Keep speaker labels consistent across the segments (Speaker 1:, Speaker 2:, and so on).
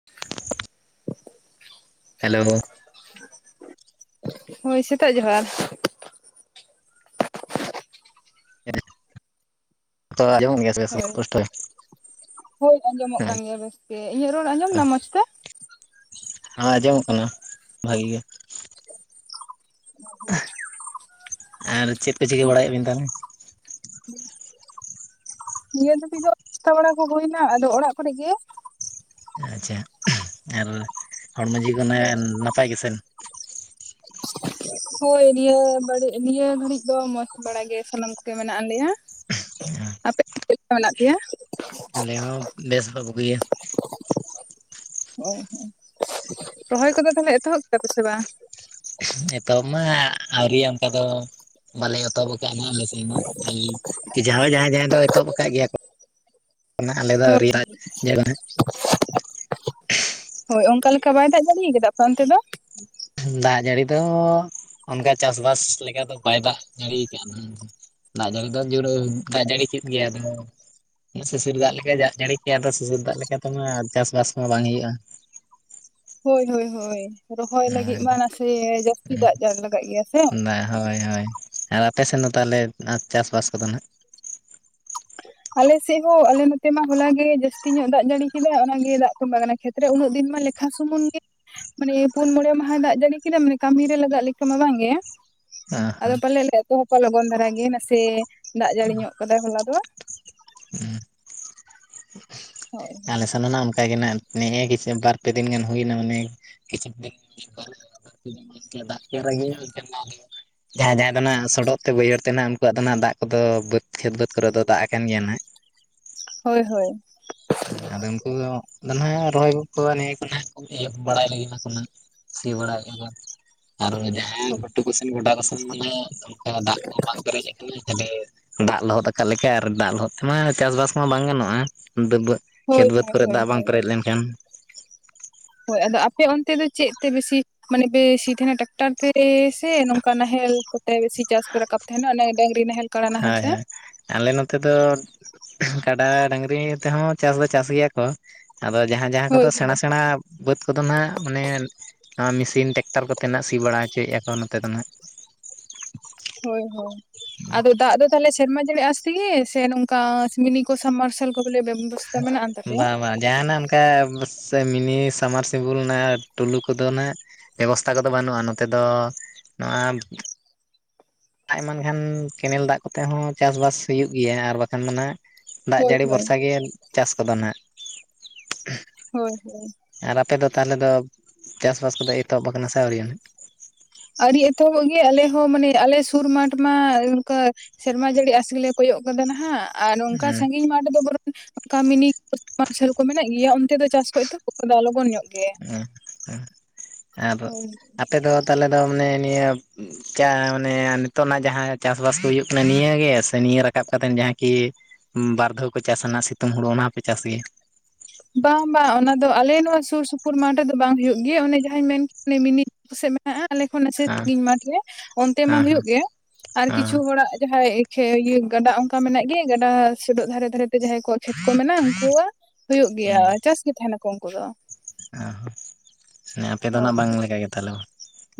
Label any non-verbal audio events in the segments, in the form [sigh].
Speaker 1: [inaudible]
Speaker 2: Hello.
Speaker 1: ᱦᱳᱭ ᱥᱮᱛᱟᱜ ᱡᱚᱦᱟᱨ᱾
Speaker 2: ᱨᱚᱲ ᱟᱸᱡᱚᱢᱚᱜ ᱠᱟᱱ ᱜᱮᱭᱟ? ᱵᱮᱥ ᱜᱮ
Speaker 1: ᱦᱳᱭ,
Speaker 2: ᱯᱩᱥᱴᱟᱹ
Speaker 1: ᱦᱳᱭ ᱟᱸᱡᱚᱢᱚᱜ
Speaker 2: ᱦᱮᱸ
Speaker 1: ᱠᱟᱱ ᱜᱮᱭᱟ ᱵᱮᱥᱛᱮ᱾ ᱤᱧᱟᱹᱜ ᱨᱚᱲ ᱟᱸᱡᱚᱢ ᱫᱟᱢ ᱢᱚᱸᱡᱽ ᱛᱮ?
Speaker 2: ᱦᱟᱸ ᱟᱸᱡᱚᱢᱚᱜ ᱠᱟᱱᱟ ᱵᱷᱟᱜᱤ ᱜᱮ᱾ ᱟᱨ ᱪᱮᱫ ᱯᱮ ᱪᱤᱠᱟᱹ ᱵᱟᱲᱟᱭᱮᱜ ᱵᱤᱱ ᱛᱟᱞᱦᱮ?
Speaker 1: ᱱᱤᱭᱟᱹ ᱫᱷᱟᱹᱵᱤᱡ ᱫᱚ ᱱᱟᱥᱛᱟ ᱵᱟᱲᱟ ᱠᱚ ᱦᱩᱭᱱᱟ ᱟᱫᱚ ᱚᱲᱟᱜ ᱠᱚᱨᱮ ᱜᱮ᱾
Speaker 2: ᱟᱪᱪᱷᱟ, ᱟᱨ ᱦᱚᱲᱢᱚ ᱡᱤᱣᱤ ᱠᱚ ᱱᱟᱭ ᱱᱟᱯᱟᱭ ᱜᱮ ᱥᱮᱱ?
Speaker 1: ᱦᱳᱭ ᱱᱤᱭᱟᱹ ᱵᱟᱹᱲᱤᱡ, ᱱᱤᱭᱟᱹ ᱜᱷᱟᱹᱲᱤᱡ ᱫᱚ ᱢᱚᱸᱡᱽ ᱵᱟᱲᱟ ᱜᱮ ᱥᱟᱱᱟᱢ ᱠᱚᱜᱮ ᱢᱮᱱᱟᱜ ᱞᱮᱭᱟ᱾ ᱟᱯᱮ ᱫᱚ ᱪᱮᱜᱠᱟ ᱦᱮᱱᱟᱜ ᱯᱮᱭᱟ?
Speaker 2: ᱟᱞᱮ ᱦᱚᱸ ᱫᱮᱥ ᱫᱚ ᱵᱩᱜᱤᱭᱟ᱾
Speaker 1: ᱦᱳᱭ ᱦᱳᱭ, ᱨᱚᱦᱚᱭ ᱠᱚᱫᱚ ᱛᱟᱞᱦᱮ ᱮᱛᱚᱦᱚᱵ ᱠᱮᱫᱟ ᱯᱮ ᱥᱮ ᱵᱟᱝ?
Speaker 2: ᱮᱛᱚᱦᱚᱵ ᱢᱟ ᱟᱹᱣᱨᱤᱭᱟ ᱚᱝᱠᱟ ᱫᱚ᱾ ᱵᱟᱞᱤᱧ ᱮᱛᱚᱦᱚᱵ ᱟᱠᱟᱜ-ᱟ ᱱᱟᱜ ᱟᱞᱮ ᱥᱮᱫ ᱦᱚᱸ, ᱟᱹᱞᱤᱧ ᱠᱤ ᱡᱟᱦᱟᱸᱭ ᱡᱟᱦᱟᱸᱭ ᱡᱟᱦᱟᱸᱭ ᱫᱚ ᱮᱛᱚᱦᱚᱵ ᱟᱠᱟᱜ ᱜᱮᱭᱟ ᱠᱚ᱾ ᱠᱟᱱᱟ ᱟᱞᱮ ᱫᱚ
Speaker 1: ᱦᱳᱭ
Speaker 2: ᱟᱣᱨᱤᱭᱟ ᱧᱮᱞᱟ᱾
Speaker 1: ᱦᱳᱭ, ᱚᱝᱠᱟ ᱞᱮᱠᱟ ᱵᱟᱭ ᱫᱟᱜ ᱡᱟᱹᱲᱤᱭ ᱠᱟᱫᱟ ᱟᱯᱮ ᱚᱱᱛᱮ ᱫᱚ?
Speaker 2: ᱫᱟᱜ ᱡᱟᱹᱲᱤ ᱫᱚ ᱚᱱᱠᱟ ᱪᱟᱥᱵᱟᱥ ᱞᱮᱠᱟ ᱫᱚ ᱵᱟᱭ ᱫᱟᱜ ᱡᱟᱲᱤᱭ ᱠᱟᱜ ᱱᱟᱜ᱾ ᱫᱟᱜ ᱡᱟᱹᱲᱤ ᱫᱚ ᱡᱩᱨᱟᱹ ᱫᱟᱜ ᱡᱟᱹᱲᱤ ᱠᱮᱫ ᱜᱮᱭᱟ ᱟᱫᱚ ᱥᱤᱥᱤᱨ ᱫᱟᱜ ᱞᱮᱠᱟᱭ ᱫᱟᱜ ᱡᱟᱹᱲᱤ ᱠᱮᱜ-ᱟ ᱟᱫᱚ ᱥᱤᱥᱤᱨ ᱫᱟᱜ ᱞᱮᱠᱟ ᱛᱮᱢᱟ ᱪᱟᱥᱵᱟᱥ ᱠᱚᱢᱟ ᱵᱟᱝ ᱦᱩᱭᱩᱜ-ᱟ᱾
Speaker 1: ᱦᱳᱭ ᱦᱳᱭ ᱦᱳᱭ, ᱨᱚᱦᱚᱭ ᱞᱟᱹᱜᱤᱫ ᱢᱟ ᱱᱟᱥᱮ ᱡᱟᱹᱥᱛᱤ ᱫᱟᱜ ᱡᱟᱲ ᱞᱟᱜᱟᱜ ᱜᱮᱭᱟ ᱥᱮ᱾
Speaker 2: ᱵᱟ, ᱦᱳᱭ ᱦᱳᱭ᱾ ᱟᱨ ᱟᱯᱮ ᱥᱮᱱ ᱫᱚ ᱛᱟᱦᱞᱮ ᱟ ᱪᱟᱥᱵᱟᱥ ᱠᱚᱫᱚ ᱱᱟᱜ?
Speaker 1: ᱟᱞᱮ ᱥᱮᱜ ᱦᱚᱸ ᱟᱞᱮ ᱱᱚᱛᱮ ᱢᱟ ᱦᱚᱞᱟ ᱜᱮ ᱡᱟᱹᱥᱛᱤ ᱧᱚᱜ ᱫᱟᱜ ᱡᱟᱹᱲᱤ ᱠᱮᱫᱟ ᱚᱱᱟ ᱜᱮ ᱫᱟᱜ ᱛᱚᱸᱵᱟ ᱠᱟᱱᱟ᱾ ᱠᱷᱮᱛ ᱨᱮ ᱩᱱᱟᱹᱜ ᱫᱤᱱ ᱢᱟ ᱞᱮᱠᱷᱟ ᱥᱩᱢᱩᱱ ᱜᱮ ᱢᱟᱱᱮ ᱯᱩᱱ ᱢᱚᱬᱮ ᱢᱟᱦᱟ ᱫᱟᱜ ᱡᱟᱹᱲᱤ ᱠᱮᱫᱟ ᱢᱟᱱᱮ ᱠᱟᱢᱤ ᱨᱮ ᱞᱟᱜᱟᱜ ᱞᱮᱠᱟ ᱢᱟ ᱵᱟᱝ ᱜᱮ᱾
Speaker 2: ᱚ
Speaker 1: ᱟᱫᱚ
Speaker 2: ᱦᱚᱸ
Speaker 1: ᱯᱟᱞᱮᱫ ᱞᱮ ᱮᱛᱚᱦᱚᱵᱟ ᱞᱚᱜᱚᱱ ᱫᱷᱟᱨᱟ ᱜᱮ ᱱᱟᱥᱮ ᱫᱟᱜ ᱡᱟᱹᱲᱤ ᱧᱚᱜ ᱠᱟᱫᱟᱭ ᱦᱚᱞᱟ ᱫᱚ᱾
Speaker 2: ᱦᱩᱸ
Speaker 1: ᱦᱳᱭ
Speaker 2: ᱟᱞᱮ ᱥᱮᱱ ᱫᱚ ᱱᱟᱝ ᱜᱮ ᱱᱟ ᱱᱮᱜᱼᱮ ᱠᱤᱪᱷᱩ ᱵᱟᱨ ᱯᱮ ᱫᱤᱱ ᱜᱟᱱ ᱦᱩᱭ ᱱᱟ ᱢᱚᱱᱮᱭ ᱠᱤᱪᱷᱩ ᱫᱤᱱ [inaudible] [inaudible] ᱫᱟᱜ [inaudible] ᱡᱟᱦᱟᱸᱭ ᱡᱟᱦᱟᱸ ᱫᱚ ᱱᱟᱜ ᱥᱚᱰᱚᱜ ᱛᱮ ᱵᱟᱹᱭᱦᱟᱹᱲ ᱛᱮ ᱱᱟᱜ ᱩᱱᱠᱩᱣᱟᱜ ᱫᱚ ᱱᱟᱜ ᱫᱟᱜ ᱠᱚᱫᱚ ᱵᱟᱹᱫᱽ ᱠᱷᱮᱛ ᱵᱟᱹᱫᱽ ᱠᱚᱨᱮ ᱫᱚ ᱫᱟᱜ ᱟᱠᱟᱱ ᱜᱮᱭᱟ ᱱᱟ᱾
Speaker 1: ᱦᱳᱭ ᱦᱳᱭ᱾
Speaker 2: ᱦᱮ ᱟᱫᱚ ᱩᱱᱠᱩ ᱜᱮ ᱨᱚᱦᱚᱭ ᱱᱤᱭᱟᱹ ᱠᱚ ᱱᱟᱜ ᱠᱚ ᱤᱭᱟᱹ ᱵᱟᱲᱟᱭ ᱞᱟᱹᱜᱤᱫ ᱠᱚ ᱱᱟᱜ᱾ ᱥᱤ ᱵᱟᱲᱟᱭ ᱵᱟᱛ ᱟᱨ ᱡᱟᱦᱟᱸᱭ
Speaker 1: ᱦᱳᱭ
Speaker 2: ᱜᱩᱴᱩ ᱠᱩ ᱥᱮᱱ ᱜᱚᱰᱟ ᱠᱟᱥᱮᱱ ᱢᱟ ᱱᱟᱜ ᱚᱝᱛᱮ ᱦᱚ ᱫᱟᱜ ᱠᱚ ᱵᱟᱝ ᱯᱮᱨᱮᱡ ᱠᱟᱱᱟ ᱛᱟᱞᱦᱮ ᱫᱟᱜ ᱞᱚᱦᱚᱫ ᱟᱠᱟᱜ ᱞᱮᱠᱟ ᱟᱨ ᱫᱟᱜ ᱞᱚᱦᱚᱫ ᱛᱮᱢᱟ ᱪᱟᱥᱵᱟᱥ ᱠᱚᱢᱟ ᱵᱟᱝ ᱜᱟᱱᱚᱜᱼᱟ, ᱰᱟᱹᱵᱟᱹ
Speaker 1: ᱦᱳᱭ
Speaker 2: ᱠᱷᱮᱛ ᱵᱟᱹᱫᱽ
Speaker 1: ᱦᱳᱭ
Speaker 2: ᱠᱚᱨᱮᱜ
Speaker 1: ᱦᱳᱭ
Speaker 2: ᱫᱟᱜ ᱵᱟᱝ
Speaker 1: ᱦᱳᱭ
Speaker 2: ᱯᱮᱨᱮᱡ ᱞᱮᱱᱠᱷᱟᱱ᱾
Speaker 1: ᱦᱳᱭ ᱟᱫᱚ ᱟᱯᱮ ᱚᱱᱛᱮ ᱫᱚ ᱪᱮᱫ ᱛᱮᱯᱮ ᱥᱤ ᱢᱟᱱᱮ ᱯᱮ ᱥᱤ ᱛᱟᱦᱮᱱᱟ ᱴᱮᱠᱴᱟᱨ ᱛᱮ ᱥᱮ ᱱᱚᱝᱠᱟ ᱱᱟᱦᱮᱞ ᱠᱚᱛᱮ ᱜᱮ ᱥᱤ ᱪᱟᱥ ᱯᱮ ᱨᱟᱠᱟᱵ ᱛᱮᱦᱮᱱᱟ ᱚᱱᱮ ᱰᱟᱹᱝᱨᱤ ᱱᱟᱦᱮᱞ ᱠᱟᱲᱟ ᱱᱟᱦᱮᱞ
Speaker 2: ᱦᱟᱭ
Speaker 1: ᱛᱮ
Speaker 2: ᱦᱟᱭ᱾ ᱟᱞᱮ ᱱᱚᱛᱮ ᱫᱚ ᱠᱟᱰᱟ ᱰᱟᱹᱝᱨᱤ ᱛᱮᱦᱚᱸ ᱪᱟᱥ ᱫᱚ ᱪᱟᱥ ᱜᱮᱭᱟ ᱠᱚ᱾ ᱟᱫᱚ ᱡᱟᱦᱟᱸ ᱡᱟᱦᱟᱸ
Speaker 1: ᱦᱳᱭ
Speaker 2: ᱠᱚᱫᱚ ᱥᱮᱬᱟ
Speaker 1: ᱦᱳᱭ
Speaker 2: ᱥᱮᱬᱟ ᱵᱟᱹᱫᱽ ᱠᱚᱫᱚ ᱱᱟᱸᱜ ᱢᱟᱱᱮ ᱚᱸ ᱢᱤᱥᱤᱱ ᱴᱮᱠᱴᱟᱨ ᱠᱚᱛᱮ ᱱᱟᱜ ᱥᱤ ᱵᱟᱲᱟ ᱦᱚᱪᱚᱭᱮᱜᱼᱟ ᱠᱚ ᱱᱚᱛᱮ ᱫᱚ ᱱᱟᱦᱟᱜ᱾
Speaker 1: ᱦᱳᱭ ᱦᱳᱭ ᱟᱫᱚ ᱫᱟᱜ ᱫᱚ ᱛᱟᱞᱦᱮ ᱥᱮᱨᱢᱟ ᱡᱟᱹᱲᱤ ᱟᱥ ᱛᱤᱜᱮ ᱥᱮ ᱱᱚᱝᱠᱟ ᱢᱤᱱᱤ ᱠᱚ ᱥᱟᱵᱢᱟᱨᱥᱟᱞ ᱠᱚᱜᱮᱞᱮ ᱵᱮᱵᱚᱥ
Speaker 2: ᱵᱟᱸ ᱵᱟᱸ ᱡᱟᱸᱦᱟᱱᱟ [unintelligible] ᱵᱟᱥᱮ ᱢᱤᱱᱤ ᱥᱟᱢᱟᱨ ᱥᱤᱵᱩᱞ ᱱᱟ ᱴᱩᱞᱩ ᱠᱚᱫᱚ ᱱᱟᱦᱟᱜ ᱵᱮᱵᱚᱥᱛᱷᱟ ᱠᱚ ᱫᱚ ᱵᱟᱹᱱᱩᱜᱼᱟ ᱱᱚᱛᱮ ᱫᱚ ᱱᱚᱣᱟ ᱟᱡ ᱢᱟᱱᱠᱷᱟᱱ ᱠᱮᱱᱮᱞ ᱫᱟᱜ ᱠᱚ ᱛᱮ ᱦᱚᱸ ᱪᱟᱥᱵᱟᱥ ᱦᱩᱭᱩᱜ ᱜᱮᱭᱟ ᱟᱨ ᱵᱟᱠᱷᱟᱱ ᱫᱚ ᱱᱟᱦᱟᱜ ᱫᱟᱜ
Speaker 1: ᱦᱳᱭ
Speaker 2: ᱡᱟᱹᱲᱤ
Speaker 1: ᱦᱳᱭ
Speaker 2: ᱵᱷᱚᱨᱥᱟ ᱜᱮ ᱪᱟᱥ ᱠᱚ ᱫᱚ ᱱᱟᱦᱟᱜ
Speaker 1: ᱦᱳᱭ ᱦᱳᱭ
Speaker 2: ᱟᱨ ᱟᱯᱮᱫ ᱫᱚ ᱛᱟᱞᱮ ᱫᱚ ᱪᱟᱥᱼᱵᱟᱥ ᱠᱚᱫᱚ ᱮᱛᱚᱦᱚᱵ ᱠᱟᱱᱟ ᱥᱮ ᱟᱹᱣᱨᱤᱣᱟ?
Speaker 1: ᱟᱹᱨᱤ ᱮᱛᱚᱦᱚᱵᱚᱜ ᱜᱮᱭᱼᱟ ᱟᱞᱮ ᱦᱚᱸ ᱢᱟᱱᱮ ᱟᱞᱮ ᱥᱩᱨ ᱢᱟᱴᱷ ᱢᱟ ᱚᱝᱠᱟ ᱥᱮᱨᱢᱟ ᱡᱟᱹᱲᱤ ᱟᱥ ᱜᱮᱞᱮ ᱠᱚᱭᱚᱜ ᱠᱟᱫᱟ ᱱᱟᱦᱟᱜ ᱟᱨ ᱱᱚᱝᱠᱟ
Speaker 2: ᱦᱩᱸ
Speaker 1: ᱥᱟᱺᱜᱤᱧ ᱢᱟᱴ ᱫᱚ ᱵᱚᱨᱚᱝ ᱠᱟᱹᱢᱤᱱᱤ ᱢᱟᱨᱥᱟᱞ ᱠᱚ ᱢᱮᱱᱟᱜ ᱜᱮᱭᱟ ᱚᱱᱛᱮ ᱫᱚ ᱪᱟᱥ ᱠᱷᱚᱡ ᱫᱚ ᱮᱛᱚᱦᱚᱵ ᱠᱟᱫᱟ ᱞᱚᱜᱚᱱ ᱧᱚᱜ ᱜᱮ᱾
Speaker 2: ᱦᱮᱸ ᱦᱮᱸ ᱟᱨ
Speaker 1: ᱦᱳᱭ
Speaker 2: ᱟᱯᱮᱫᱚ ᱛᱟᱞᱮ ᱫᱚ ᱢᱟᱱᱮ ᱱᱤᱭᱟᱹ ᱪᱟ ᱢᱟᱱᱮ ᱱᱤᱛᱚᱜ ᱱᱟᱜ ᱡᱟᱸᱦᱟ ᱪᱟᱥᱼᱵᱟᱥ ᱠᱚ ᱦᱩᱭᱩᱜ ᱠᱟᱱᱟ ᱱᱤᱭᱟᱹ ᱜᱮ, ᱥᱮ ᱱᱤᱭᱟᱹ ᱨᱟᱠᱟᱵ ᱠᱟᱛᱮᱜ ᱡᱟᱦᱟᱸ ᱠᱤ ᱵᱟᱨ ᱫᱷᱟᱣ ᱠᱚ ᱪᱟᱥᱟ ᱥᱤᱛᱩᱝ ᱦᱳᱲᱳ ᱚᱱᱟ ᱦᱚᱸᱯᱮ ᱪᱟᱥ ᱜᱮᱭᱟ?
Speaker 1: ᱵᱟᱝ ᱵᱟᱝ ᱚᱱᱟ ᱫᱚ ᱟᱞᱮ ᱱᱚᱣᱟ ᱥᱩᱨ ᱥᱩᱯᱩᱨ ᱢᱟᱴ ᱨᱮᱫᱚ ᱵᱟᱝ ᱦᱩᱭᱩᱜ ᱜᱮᱭᱟ ᱚᱱᱮ ᱡᱟᱸᱦᱟᱭ ᱢᱤᱱᱤ ᱥᱮᱜ ᱢᱮᱜ ᱦᱮᱸ ᱟᱞᱮ ᱠᱷᱚᱱ
Speaker 2: ᱦᱮᱸ
Speaker 1: ᱥᱟᱺᱜᱤᱧ ᱢᱟᱴᱷ ᱨᱮ ᱚᱱᱛᱮ ᱢᱟ
Speaker 2: ᱦᱮᱸ ᱦᱮᱸ ᱦᱮᱸ
Speaker 1: ᱦᱳᱭᱳᱜ ᱜᱮ ᱟᱨ ᱠᱤᱪᱷᱩ ᱦᱚᱲᱟᱜ ᱡᱟᱸᱦᱟᱭ ᱠᱷᱮ ᱤᱭᱟᱹ ᱜᱟᱰᱟ ᱚᱝᱠᱟ ᱢᱮᱱᱟᱜ ᱜᱮ ᱜᱟᱰᱟ ᱥᱩᱰᱚᱜ ᱫᱷᱟᱨᱮ ᱫᱷᱟᱨᱮ ᱛᱮ ᱡᱟᱦᱟᱸᱭ ᱠᱚᱟᱜ ᱠᱷᱮᱛ ᱠᱚ ᱢᱮᱱᱟᱜ ᱩᱱᱠᱩ ᱣᱟᱜ ᱦᱳᱭᱳᱜ ᱜᱮᱭᱟ ᱪᱟᱥ ᱜᱮ ᱛᱟᱸᱦᱮᱱᱟᱠᱚ ᱩᱱᱠᱩ ᱫᱚ᱾
Speaker 2: ᱚ ᱦᱮᱸ ᱟᱯᱮ ᱫᱚ ᱱᱟᱜ
Speaker 1: ᱦᱳᱭ
Speaker 2: ᱵᱟᱝ ᱞᱮᱠᱟ ᱜᱮ ᱛᱟᱞᱮ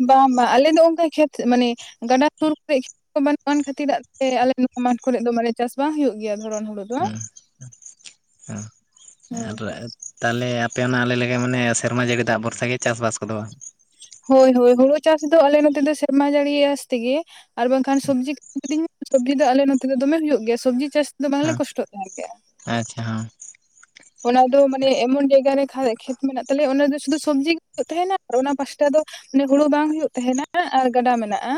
Speaker 1: ᱵᱟᱝ ᱵᱟᱝ ᱟᱞᱮ ᱫᱚ ᱚᱱᱠᱟ ᱠᱷᱮᱛ ᱢᱟᱱᱮ ᱜᱟᱰᱟ ᱥᱩᱨ ᱠᱚᱨᱮ ᱵᱟᱹᱱᱩᱜ ᱟᱱ ᱠᱷᱟᱹᱛᱤᱨ ᱟᱜ ᱛᱮ ᱟᱞᱮ ᱱᱚᱣᱟ ᱢᱟᱴᱷ ᱠᱚᱨᱮ ᱫᱚ ᱢᱟᱱᱮ ᱪᱟᱥ ᱵᱟᱝ ᱦᱩᱭᱩᱜ ᱜᱮᱭᱟ ᱫᱷᱚᱨᱚᱱ ᱦᱩᱲᱩ ᱫᱚ
Speaker 2: ᱦᱩᱸ ᱦᱩᱸ ᱟᱨ ᱟᱯ ᱛᱟᱞᱮ ᱟᱯᱮ ᱚᱱᱟ ᱟᱞᱮ ᱞᱮᱠᱟ ᱢᱟᱱᱮ ᱥᱮᱨᱢᱟ ᱡᱟᱹᱲᱤ ᱫᱟᱜ ᱵᱷᱚᱨᱥᱟ ᱜᱮ ᱪᱟᱥᱵᱟᱥ ᱠᱚ ᱫᱚ ᱵᱟᱝ?
Speaker 1: ᱦᱳᱭ ᱦᱳᱭ ᱦᱳᱲᱳ ᱪᱟᱥ ᱫᱚ ᱟᱞᱮ ᱱᱚᱛᱮ ᱫᱚ ᱥᱮᱨᱢᱟ ᱡᱟᱹᱲᱤ ᱟᱸᱥ ᱛᱮᱜᱮ ᱟᱨ ᱵᱟᱝᱠᱷᱟᱱ ᱥᱚᱵᱽᱡᱤ [unintelligible] ᱥᱚᱵᱽᱡᱤ ᱫᱚ ᱟᱞᱮ ᱱᱚᱛᱮ ᱫᱚ ᱫᱚᱢᱮ ᱦᱩᱭᱩᱜ ᱜᱮᱭᱟ ᱥᱚᱵᱽᱡᱤ ᱪᱟᱥ ᱫᱚ ᱵᱟᱝᱞᱮ
Speaker 2: ᱦᱮᱸ
Speaker 1: ᱠᱚᱥᱴᱚᱜ ᱛᱟᱦᱮᱸᱜ ᱜᱮᱭᱟ᱾
Speaker 2: ᱟᱪᱪᱷᱟ ᱦᱮᱸ᱾
Speaker 1: ᱚᱱᱟ ᱫᱚ ᱢᱟᱱᱮ ᱮᱢᱚᱱ ᱡᱟᱭᱜᱟ ᱨᱮ ᱠᱷᱟ ᱠᱷᱮᱛ ᱢᱮᱱᱟᱜ ᱛᱟᱞᱮᱭᱟ ᱚᱱᱟ ᱫᱚ ᱥᱩᱫᱷᱩ ᱥᱚᱵᱽᱡᱤ ᱜᱮ ᱦᱩᱭᱩᱜ ᱛᱟᱦᱮᱱᱟ ᱟᱨ ᱚᱱᱟ ᱯᱟᱥᱴᱟ ᱫᱚ ᱢᱟᱱᱮ ᱦᱩᱲᱩ ᱵᱟᱝ ᱦᱩᱭᱩᱜ ᱛᱟᱦᱮᱱᱟ ᱟᱨ ᱜᱟᱰᱟ ᱢᱮᱱᱟᱜᱼᱟ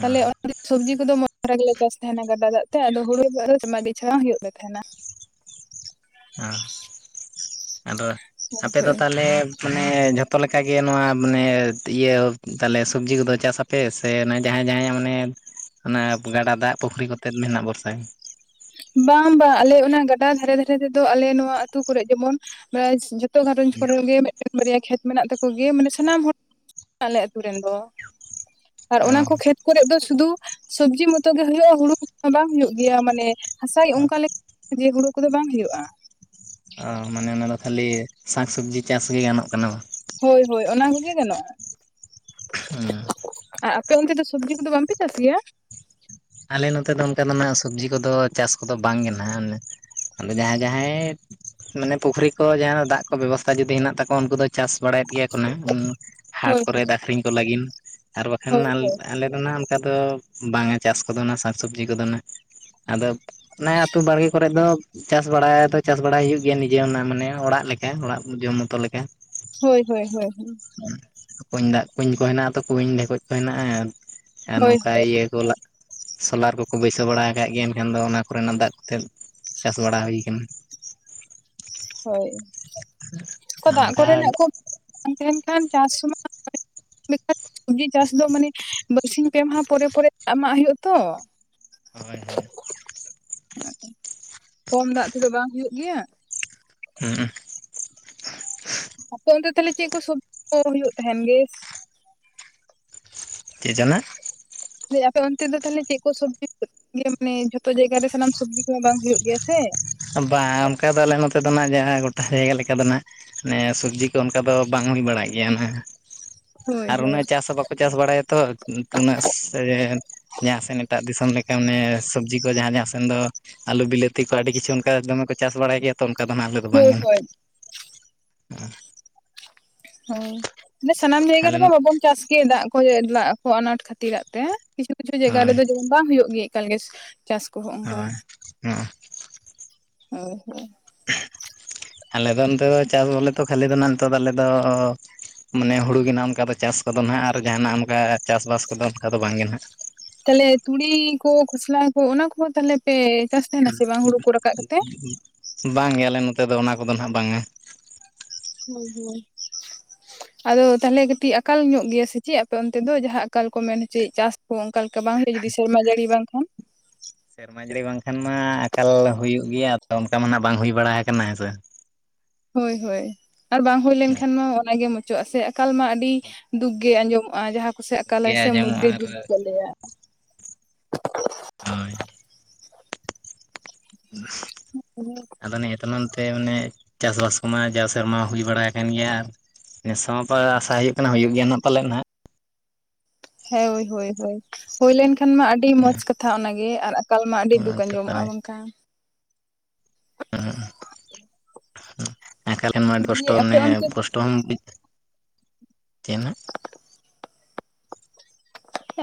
Speaker 1: ᱛᱟᱞᱮ ᱥᱚᱵᱽᱡᱤ ᱠᱚᱫᱚ [inaudible] ᱫᱷᱟᱨᱟ ᱜᱮᱞᱮ ᱪᱟᱥ ᱛᱟᱸᱦᱮᱱᱟ ᱜᱟᱰᱟ ᱫᱟᱜ ᱛᱮ ᱟᱫᱚ ᱦᱩᱲᱩ [inaudible] ᱦᱩᱭᱩᱜ ᱞᱮ ᱛᱟᱦᱮᱱᱟ᱾
Speaker 2: ᱚ ᱟᱫᱚ ᱟᱯᱮ ᱫᱚ
Speaker 1: ᱦᱳᱭ
Speaker 2: ᱛᱟᱞᱮ ᱢᱟᱱᱮ ᱡᱷᱚᱛᱚ ᱞᱮᱠᱟᱜ ᱜᱮ ᱱᱚᱣᱟ ᱢᱟᱱᱮ ᱤᱭᱟᱹ ᱛᱟᱞᱮ ᱥᱚᱵᱽᱡᱤ ᱠᱚᱫᱚ ᱪᱟᱥᱟ ᱯᱮ ᱥᱮ ᱚᱱᱟ ᱡᱟᱦᱟᱸᱭ ᱡᱟᱦᱟᱸᱭ ᱢᱟᱱᱮ ᱚᱱᱟ ᱜᱟᱰᱟ ᱫᱟᱜ ᱯᱩᱠᱷᱨᱤ ᱠᱚᱛᱮᱫ ᱢᱮᱱᱟᱜ ᱵᱷᱚᱨᱥᱟ ᱜᱮ?
Speaker 1: ᱵᱟᱝ ᱵᱟᱸ ᱟᱞᱮ ᱚᱱᱟ ᱜᱟᱰᱟ ᱫᱷᱟᱨᱮ ᱫᱷᱟᱨᱮ ᱛᱮᱫᱚ ᱟᱞᱮ ᱱᱚᱣᱟ ᱟᱹᱛᱩ ᱠᱚᱨᱮ ᱡᱮᱢᱚᱱ ᱢᱟ ᱛᱚ ᱜᱷᱟᱸᱨᱚᱧᱡᱽ ᱠᱚᱨᱮᱱ ᱜᱮ ᱢᱤᱜᱮᱱ ᱵᱟᱨᱭᱟ ᱠᱷᱮᱛ ᱢᱮᱱᱟᱜ ᱛᱟᱠᱚ ᱜᱮ ᱢᱟᱱᱮ ᱥᱟᱱᱟᱢ ᱦᱚ ᱟᱞᱮ ᱟᱹᱛᱩ ᱨᱮᱱ ᱫᱚ᱾ ᱟᱨ
Speaker 2: ᱚ
Speaker 1: ᱚᱱᱟ ᱠᱚ ᱠᱷᱮᱛ ᱠᱚᱨᱮᱜ ᱫᱚ ᱥᱩᱫᱷᱩ ᱥᱚᱵᱽᱡᱤ ᱢᱚᱛᱚ ᱜᱮ ᱦᱩᱭᱩᱜᱼᱟ, ᱦᱩᱲᱩ ᱵᱟᱝ ᱦᱩᱭᱩᱜ ᱜᱮᱭᱟ ᱢᱟᱱᱮ ᱦᱟᱥᱟᱭ ᱚᱝᱠᱟ ᱞᱮᱠ ᱡᱮ ᱦᱩᱲᱩ ᱠᱚᱫᱚ ᱵᱟᱝ ᱦᱩᱭᱩᱜᱼᱟ᱾
Speaker 2: ᱚ ᱢᱟᱱᱮ ᱚᱱᱟ ᱫᱚ ᱠᱷᱟᱹᱞᱤ ᱥᱟᱠ ᱥᱚᱵᱽᱡᱤ ᱪᱟᱥ ᱜᱮ ᱜᱟᱱᱚᱜ ᱠᱟᱱᱟ ᱵᱟᱝ?
Speaker 1: ᱦᱳᱭ ᱦᱳᱭ ᱚᱱᱟ ᱠᱚᱜᱮ ᱜᱟᱱᱚᱜᱼᱟ ᱟ ᱯᱮ ᱚᱱᱛᱮ ᱫᱚ ᱥᱚᱵᱽᱡᱤ ᱠᱚᱫᱚ ᱵᱟᱝᱯᱮ ᱪᱟᱥ ᱜᱮᱭᱟ?
Speaker 2: ᱟᱞᱮ ᱱᱚᱛᱮ ᱫᱚ ᱚᱱᱠᱟ ᱫᱚ ᱱᱟᱜ ᱥᱚᱵᱽᱡᱤ ᱠᱚᱫᱚ ᱪᱟᱥ ᱠᱚᱫᱚ ᱵᱟᱝ ᱜᱮ ᱱᱟᱦᱟᱜ᱾ ᱟᱫᱚ ᱡᱟᱸᱦᱟᱭ ᱡᱟᱸᱦᱟᱭ ᱢᱟᱱᱮ ᱯᱩᱠᱷᱨᱤ ᱠᱚ ᱡᱟᱦᱟᱸ ᱫᱟᱜ ᱠᱚ ᱵᱮᱵᱚᱥᱛᱷᱟ ᱡᱩᱫᱤ ᱦᱮᱱᱟᱜ ᱛᱟᱠᱚᱣᱟ ᱩᱱᱠᱩ ᱫᱚ ᱪᱟᱥ ᱵᱟᱲᱟᱫ ᱜᱮᱭᱟ ᱠᱚ ᱱᱟᱦᱟᱜ ᱦᱟᱴ
Speaker 1: ᱦᱳᱭ
Speaker 2: ᱠᱚᱨᱮᱫ
Speaker 1: ᱦᱳᱭ
Speaker 2: ᱟᱹᱠᱷᱨᱤᱧ ᱠᱚ ᱞᱟᱹᱜᱤᱱ ᱟᱨ ᱵᱟᱠᱷᱟᱱ
Speaker 1: ᱦᱳᱭ
Speaker 2: ᱟᱞ-ᱟᱞᱮ ᱚᱱᱟ ᱚᱱᱠᱟ ᱫᱚ ᱵᱟᱝᱟ ᱪᱟᱥ ᱠᱚᱫᱚ ᱱᱟ ᱥᱟᱠ ᱥᱚᱵᱽᱡᱤ ᱠᱚᱫᱚ ᱱᱟ ᱟᱫᱚ ᱚᱱᱮ ᱟᱹᱛᱩ ᱵᱟᱲᱜᱮ ᱠᱚᱨᱮᱜ ᱫᱚ ᱪᱟᱥ ᱵᱟᱲᱟᱭ ᱫᱚ ᱪᱟᱥ ᱵᱟᱲᱟᱭ ᱦᱩᱭᱩᱜ ᱜᱮᱭᱟ ᱱᱤᱡᱮ ᱚᱱᱟ ᱢᱟᱱᱮ ᱚᱲᱟᱜ ᱞᱮᱠᱟ ᱚᱲᱟᱜ ᱡᱚᱢ ᱢᱚᱛᱚ ᱞᱮᱠᱟ᱾
Speaker 1: ᱦᱳᱭ ᱦᱳᱭ ᱦᱳᱭ ᱦᱳᱭ
Speaker 2: ᱠᱩᱧ ᱫᱟᱜ ᱠᱩᱧ ᱠᱚ ᱦᱮᱱᱟᱜᱼᱟ ᱛᱚ ᱠᱩᱧ ᱰᱷᱮᱠᱚᱡ ᱠᱚ ᱦᱮᱱᱟᱜᱼᱟ ᱟᱸ
Speaker 1: ᱦᱳᱭ
Speaker 2: ᱱᱚᱝᱠᱟ ᱤᱭᱟᱹ ᱠᱚ ᱞᱟᱜ ᱥᱳᱞᱟᱨ ᱠᱚᱠᱚ ᱵᱟᱹᱭᱥᱟᱹᱣ ᱵᱟᱲᱟ ᱠᱟᱜ ᱜᱮᱭᱟ ᱮᱱᱠᱷᱟᱱ ᱫᱚ ᱚᱱᱟ ᱠᱚᱨᱮᱱᱟᱜ ᱫᱟᱜ ᱠᱚᱛᱮ ᱪᱟᱥ ᱵᱟᱲᱟ ᱦᱩᱭ ᱠᱟᱱᱟ᱾ [inaudible]
Speaker 1: ᱦᱳᱭ ᱠᱚ ᱫᱟᱜ
Speaker 2: ᱚᱱᱠᱟ
Speaker 1: ᱠᱚᱨᱮᱱᱟᱜ ᱠᱚ ᱵᱟᱝ ᱛᱟᱦᱮᱱ ᱠᱷᱟᱱ ᱪᱟᱥ [inaudible] ᱡᱤ ᱪᱟᱥ ᱫᱚ ᱢᱟᱱᱮ ᱵᱟᱨᱥᱤᱧ ᱯᱮ ᱢᱟᱦᱟ ᱯᱚᱨᱮ ᱯᱚᱨᱮ ᱮᱢᱟᱜ ᱦᱩᱭᱩᱜᱼᱟ ᱛᱚ᱾
Speaker 2: ᱦᱳᱭ ᱦᱳᱭ
Speaker 1: ᱠᱚᱢ ᱫᱟᱜ ᱛᱮᱫᱚ ᱵᱟᱝ ᱦᱩᱭᱩᱜ ᱜᱮᱭᱟ᱾
Speaker 2: ᱦᱩᱸᱼᱩᱸ
Speaker 1: ᱟᱯᱮ ᱚᱱᱛᱮ ᱛᱟᱞᱦᱮ ᱪᱮᱜ ᱠᱚ ᱥᱚᱵ ᱠᱚ ᱦᱩᱭᱩᱜ ᱛᱟᱦᱮᱱ ᱵᱮᱥ?
Speaker 2: ᱪᱮ ᱡᱟᱱᱟ
Speaker 1: ᱫᱟᱹᱧ ᱟᱯᱮ ᱚᱱᱛᱮ ᱫᱚ ᱛᱟᱞᱦᱮ ᱪᱮᱜ ᱠᱚ ᱥᱚᱵ [inaudible] ᱜᱮ ᱢᱟᱱᱮ ᱡᱷᱚᱛᱚ ᱡᱟᱭᱜᱟ ᱨᱮ ᱥᱟᱱᱟᱢ ᱥᱚᱵᱽᱡᱤ ᱠᱚᱢᱟ ᱵᱟᱝ ᱦᱳᱭᱳᱜ ᱜᱮᱭᱟ ᱥᱮ᱾
Speaker 2: ᱵᱟᱝ ᱚᱱᱠᱟ ᱫᱚ ᱟᱞᱮ ᱱᱚᱛᱮ ᱫᱚ ᱱᱟᱜ ᱡᱟᱦᱟᱸ ᱜᱚᱴᱟ ᱡᱟᱭᱜᱟ ᱞᱮᱠᱟ ᱫᱚ ᱱᱟᱜ ᱱᱮ ᱥᱚᱵᱽᱡᱤ ᱠᱚ ᱚᱱᱠᱟ ᱫᱚ ᱵᱟᱝ ᱦᱩᱭ ᱵᱟᱲᱟᱜ ᱜᱮᱭᱟ ᱱᱟ᱾
Speaker 1: ᱦᱳᱭ
Speaker 2: ᱟᱨ
Speaker 1: ᱦᱳᱭ
Speaker 2: ᱩᱱᱟᱹᱜ ᱪᱟᱥ ᱦᱚᱸ ᱵᱟᱠᱚ ᱪᱟᱥ ᱵᱟᱲᱟᱭᱟ ᱛᱚ ᱩᱱᱟᱹᱜ ᱥᱮᱻ ᱡᱟᱦᱟᱸ ᱥᱮᱱ ᱮᱴᱟᱜ ᱫᱤᱥᱚᱢ ᱞᱮᱠᱟ ᱢᱟᱱᱮ ᱥᱚᱵᱽᱡᱤ ᱠᱚ ᱡᱟᱦᱟᱸ ᱡᱟᱦᱟᱸ ᱥᱮᱱ ᱫᱚ ᱟᱹᱞᱩ ᱵᱤᱞᱟᱹᱛᱤ ᱠᱚ ᱟᱹᱰᱤ ᱠᱤᱪᱷᱩ ᱠᱟ ᱫᱚᱢᱮ ᱠᱚ ᱪᱟᱥ ᱵᱟᱲᱟᱭ ᱜᱮᱭᱟ ᱛᱚ ᱚᱱᱠᱟ ᱫᱚ ᱱᱟᱜ ᱟᱞᱮ ᱫᱚ ᱵᱟᱝ᱾
Speaker 1: ᱦᱳᱭ ᱦᱳᱭ ᱦᱳᱭ [unintelligible] ᱥᱟᱱᱟᱢ ᱡᱟᱭᱜᱟ
Speaker 2: ᱟᱞᱮ
Speaker 1: ᱨᱮᱵᱚ
Speaker 2: ᱱᱚ
Speaker 1: ᱵᱟᱵᱚᱱ ᱪᱟᱥ ᱜᱮ ᱫᱟᱜ ᱠᱚ ᱡᱮ ᱫᱟᱜ ᱠᱚ ᱟᱱᱟᱴ ᱠᱷᱟᱹᱛᱤᱨᱟᱜ ᱛᱮ᱾ ᱠᱤᱪᱷᱩ ᱠᱤᱪᱷᱩ ᱡᱟᱭᱜᱟ
Speaker 2: ᱦᱳᱭ
Speaker 1: ᱨᱮᱫᱚ ᱡᱮᱢᱚᱱ ᱵᱟᱝ ᱦᱩᱭᱩᱜ ᱜᱮ ᱮᱠᱟᱞ ᱜᱮᱥ ᱪᱟᱥ᱾ ᱠᱚᱦᱚᱸ
Speaker 2: ᱦᱳᱭ
Speaker 1: ᱚᱱᱠᱟ
Speaker 2: ᱦᱚᱜᱼᱚ
Speaker 1: [inaudible]
Speaker 2: ᱟᱞᱮ ᱫᱚ ᱱᱚᱛᱮ ᱫᱚ ᱪᱟᱥ ᱵᱚᱞᱮ ᱛᱚ ᱠᱷᱟᱹᱞᱤ ᱫᱚ ᱱᱟᱜ ᱱᱤᱛᱚᱜ ᱫᱚ ᱟᱞᱮ ᱫᱚᱻᱻ ᱢᱟᱱᱮ ᱦᱩᱲᱩ ᱜᱮ ᱱᱟᱜ ᱚᱱᱠᱟ ᱫᱚ ᱪᱟᱥ ᱠᱚᱫᱚ ᱱᱟᱜ ᱟᱨ ᱡᱟᱦᱟᱱᱟᱜ ᱚᱱᱠᱟ ᱪᱟᱥ ᱵᱟᱥ ᱠᱚᱫᱚ ᱚᱱᱠᱟ ᱫᱚ ᱵᱟᱝ ᱜᱮ ᱱᱟᱜ᱾
Speaker 1: ᱛᱟᱦᱚᱞᱮ ᱛᱩᱲᱤ ᱠᱩ ᱠᱷᱚᱥᱞᱟ ᱠᱩ ᱚᱱᱟ ᱠᱚᱦᱩᱸ ᱛᱟᱦᱞᱮ ᱯᱮ ᱪᱟᱥ ᱛᱟᱦᱮᱱᱟ ᱥᱮ ᱵᱟᱝ ᱦᱩᱲᱩ ᱠᱚ ᱨᱟᱠᱟᱵ ᱠᱟᱛᱮ?
Speaker 2: ᱵᱟᱝ ᱜᱮ ᱟᱞᱮ ᱱᱚᱛᱮ ᱫᱚ ᱚᱱᱟ ᱠᱚᱫᱚ ᱱᱟᱜ ᱵᱟᱝ-ᱟ᱾
Speaker 1: [inaudible] ᱟᱫᱚ ᱛᱟᱦᱚᱞᱮ ᱠᱟᱹᱴᱤᱡ ᱟᱠᱟᱞ ᱧᱚᱜ ᱜᱮᱭᱟ ᱥᱮ ᱪᱮᱫ ᱟᱯᱮ ᱚᱱᱛᱮ ᱫᱚ ᱡᱟᱦᱟᱸ ᱟᱠᱟᱞ ᱠᱚ ᱢᱮᱱ ᱦᱚᱪᱚᱭᱮᱜ ᱪᱟᱥᱼᱼᱼ ᱦᱚ ᱚᱱᱠᱟ ᱞᱮᱠᱟ ᱵᱟᱝ [unintelligible] ᱡᱩᱫᱤ ᱥᱮᱨᱢᱟ ᱡᱟᱹᱲᱤ ᱵᱟᱝᱠᱷᱟᱱ?
Speaker 2: ᱥᱮᱨᱢᱟ ᱡᱟᱹᱲᱤ ᱵᱟᱝᱠᱷᱟᱱ ᱢᱟ ᱟᱠᱟᱞ ᱦᱩᱭᱩᱜ ᱜᱮᱭᱟ ᱛᱚ ᱚᱱᱠᱟ ᱢᱟ ᱱᱟᱜ ᱵᱟᱝ ᱦᱩᱭ ᱵᱟᱲᱟ ᱟᱠᱟᱱᱟ ᱦᱮᱸᱥᱮ᱾
Speaker 1: ᱦᱳᱭ ᱦᱳᱭ ᱟᱨ ᱵᱟᱝ ᱦᱩᱭ ᱞᱮᱱᱠᱷᱟᱱ ᱢᱟ ᱚᱱᱟᱜᱮ ᱪᱚᱜ-ᱟ ᱥᱮ ᱟᱠᱟᱞ ᱢᱟ ᱟᱹᱰᱤ ᱫᱩᱠ ᱜᱮ ᱟᱸᱡᱚᱢᱚᱜ-ᱟ, ᱡᱟᱦᱟᱸ ᱠᱚᱥᱮ
Speaker 2: ᱜᱮ
Speaker 1: ᱟᱠᱟᱞᱟᱭ ᱥᱮ
Speaker 2: ᱟᱸᱡᱚᱢᱚᱜᱼᱟ
Speaker 1: ᱢᱩᱫᱽᱫᱮ
Speaker 2: ᱟᱨ
Speaker 1: ᱫᱩᱠ ᱠᱚ ᱞᱟ. ᱭ-ᱟ᱾
Speaker 2: ᱦᱳᱭ [inaudible]
Speaker 1: [inaudible]
Speaker 2: ᱟᱫᱚ ᱱᱤᱭᱟᱹ ᱛᱟᱱᱚᱢ ᱛᱮ ᱚᱱᱮ ᱪᱟᱥ ᱵᱟᱥ ᱠᱚᱢᱟ ᱡᱟᱣ ᱥᱮᱨᱢᱟ ᱦᱩᱭ ᱵᱟᱲᱟ ᱠᱟᱱ ᱜᱮᱭᱟ ᱱᱮᱥ ᱦᱚᱸᱯᱟ ᱟᱥᱟ ᱦᱩᱭᱩᱜ ᱠᱟᱱᱟ ᱦᱩᱭᱩᱜ ᱜᱮᱭᱟ ᱱᱟᱜ ᱯᱟᱞᱮ ᱱᱟᱦᱟᱜ᱾
Speaker 1: ᱦᱮᱸ ᱦᱳᱭ ᱦᱳᱭ ᱦᱳᱭ ᱦᱳᱭᱞᱮᱱ ᱠᱷᱟᱱ ᱢᱟ ᱟᱹᱰᱤ
Speaker 2: ᱦᱮᱸ
Speaker 1: ᱢᱚᱸᱡᱽ ᱠᱟᱛᱷᱟ ᱚᱱᱟᱜᱮ ᱟᱨ ᱟ ᱠᱟᱞ ᱢᱟ ᱟᱹᱰᱤ
Speaker 2: ᱚᱱᱟ
Speaker 1: ᱫᱩᱠ
Speaker 2: ᱠᱟᱛᱷᱟ ᱦᱳᱭ
Speaker 1: ᱟᱸᱡᱚᱢᱚᱜ-ᱟ ᱵᱟᱝᱠᱷᱟᱱ᱾ ᱫᱤᱭᱮ ᱟᱯᱮ ᱚᱱᱛᱮ ᱫᱚ
Speaker 2: [unintelligible] [inaudible]